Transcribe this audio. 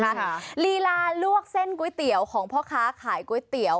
ลีลาลวกเส้นก๋วยเตี๋ยวของพ่อค้าขายก๋วยเตี๋ยว